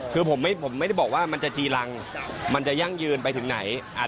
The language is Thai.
คือผมไม่ได้บอกว่ามันจะจีรังมันจะยั่งยืนไปถึงไหน